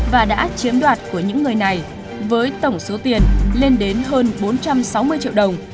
và đã chiếm đoạt của những người này với tổng số tiền lên đến hơn bốn trăm sáu mươi triệu đồng